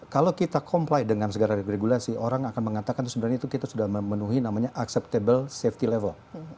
kalau kita comply dengan segala regulasi orang akan mengatakan sebenarnya itu kita sudah memenuhi namanya acceptable safety level